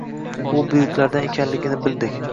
U buyuklardan ekanligini bildik.